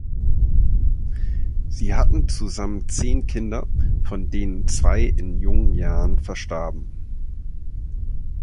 Sie hatten zusammen zehn Kinder, von denen zwei in jungen Jahren verstarben.